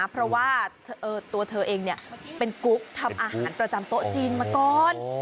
เพราะว่าตัวเธอเองเป็นกุ๊กทำอาหารประจำโต๊ะจีนมาก่อน